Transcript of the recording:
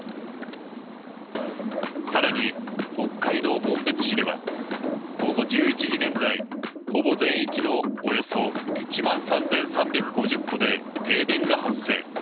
更に、北海道紋別市では午後１１時現在ほぼ全域のおよそ１万３３５０戸で停電が発生。